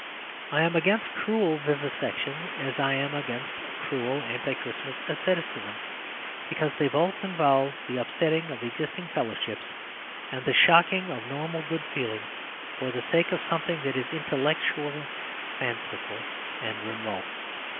I am against cruel vivisection as I am against a cruel anti Christmas asceticism, because they both involve the upsetting of existing fellowships and the shocking of normal good feelings for the sake of something that is intellectual, fanciful, and remote.